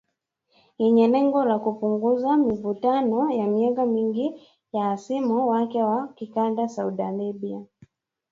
Yenye lengo la kupunguza mivutano ya miaka mingi na hasimu wake wa kikanda Saudi Arabia.